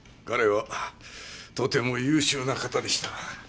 彼はとても優秀な方でした。